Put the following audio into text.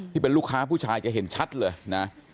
ที่เป็นลูกค้าผู้ชายจะเห็นชัดเลยนะ